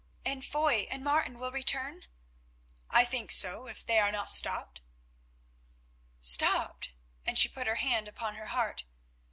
"And Foy and Martin will return?" "I think so, if they are not stopped." "Stopped?"—and she put her hand upon her heart.